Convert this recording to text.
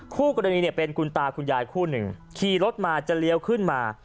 คู่กรณีเนี่ยเป็นคุณตาคุณยายคู่หนึ่งขี่รถมาจะเลี้ยวขึ้นมา